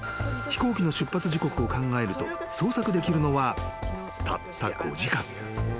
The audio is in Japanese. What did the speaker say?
［飛行機の出発時刻を考えると捜索できるのはたった５時間］